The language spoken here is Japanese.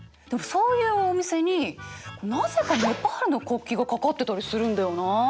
でもそういうお店になぜかネパールの国旗が掛かってたりするんだよな。